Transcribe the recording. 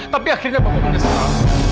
tapi akhirnya bapak menyesal